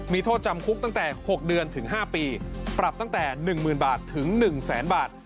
มีโทษจำคุกตั้งแต่๖เดือนถึง๕ปีปรับตั้งแต่๑๐๐๐บาทถึง๑แสนบาท